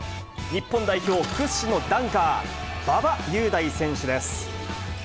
日本代表屈指のダンカー、馬場雄大選手です。